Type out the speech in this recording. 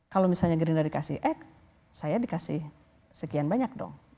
kalau misalnya gerindra dikasih eg saya dikasih sekian banyak dong